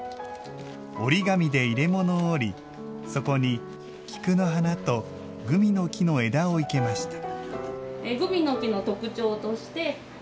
折り紙で入れ物を折りそこに菊の花と茱萸の木の枝を生けました。